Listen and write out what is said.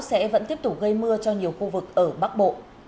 sẽ vẫn tiếp tục gây mưa cho nhiều khu vực ở bắc bộ